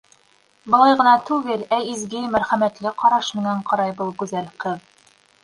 Былай ғына түгел, ә изге, мәрхәмәтле ҡараш менән ҡарай был гүзәл ҡыҙ.